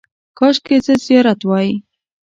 – کاشکې زه زیارت وای.